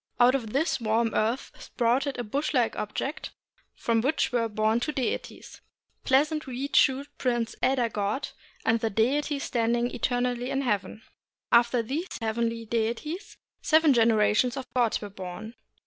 Out of this warm earth sprouted a bush like object from which were born two deities, Pleasant Reed Shoot Prince Elder God, and The Deity Standing Eternally in Heaven. After these heavenly deities seven generations of gods were born.